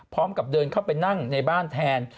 พร้อมกับเดินเข้าไปนั่งในบ้านแทน